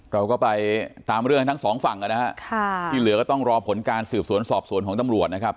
เราก็ไปตามเรื่องให้ทั้งสองฝั่งนะฮะที่เหลือก็ต้องรอผลการสืบสวนสอบสวนของตำรวจนะครับ